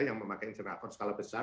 yang memakai jerakan skala besar